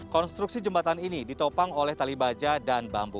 konstruksi jembatan ini ditopang oleh tali baja dan bambu